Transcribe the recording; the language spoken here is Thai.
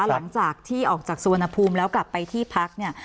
หลังจากที่ออกจากสุวรรณภูมิแล้วกลับไปที่พักเนี่ย